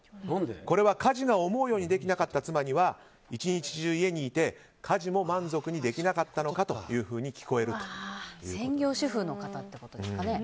これは家事が思うようにできなかった妻には一日中家にいて家事も満足にできなかったのかと聞こえるということです。